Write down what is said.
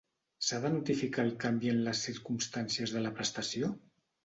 S'ha de notificar el canvi en les circumstàncies de la prestació?